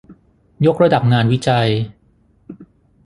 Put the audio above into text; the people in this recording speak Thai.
ยกระดับงานวิจัย